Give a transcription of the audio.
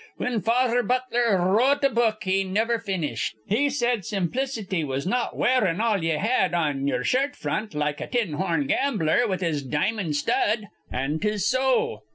Whin Father Butler wr rote a book he niver finished, he said simplicity was not wearin' all ye had on ye'er shirt front, like a tin horn gambler with his di'mon' stud. An' 'tis so."